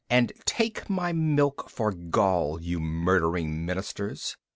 And take my milk for gall, you murdering ministers."